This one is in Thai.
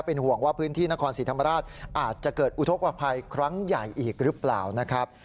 เป็นห่วงว่าพื้นที่นครศรีธรรมราชอาจจะเกิดอุทธกภัยครั้งใหญ่อีกหรือเปล่านะครับ